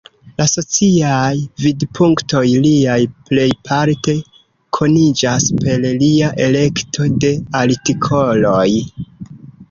La sociaj vidpunktoj liaj plejparte koniĝas per lia elekto de artikoloj.